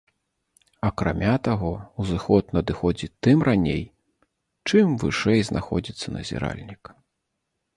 Акрамя таго, узыход надыходзіць тым раней, чым вышэй знаходзіцца назіральнік.